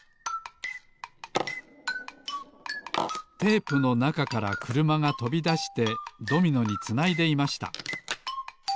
テープのなかからくるまがとびだしてドミノにつないでいました